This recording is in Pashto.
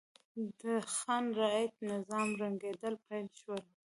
د خان رعیت نظام ړنګېدل پیل شول.